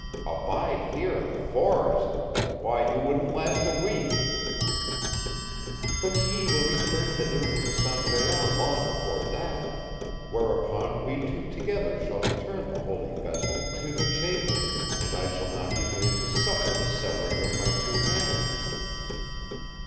"Abide here in the forest! Why, you wouldn't last a week!" "But ye will return hither with the Sangraal long afore that, whereupon we two together shall return the Holy Vessel to the chamber and I shall not be made to suffer the severing of my two hands."